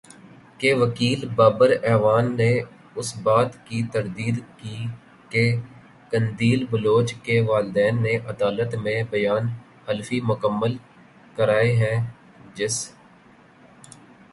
کے وکیل بابر اعوان نے اس بات کی تردید کی کہ قندیل بلوچ کے والدین نے عدالت میں بیان حلفی مکمل کرائے ہیں جس